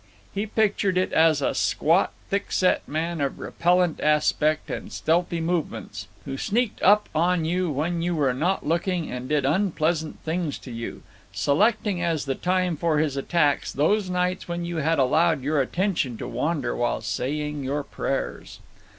He pictured it as a squat, thick set man of repellent aspect and stealthy movements, who sneaked up on you when you were not looking and did unpleasant things to you, selecting as the time for his attacks those nights when you had allowed your attention to wander while saying your prayers.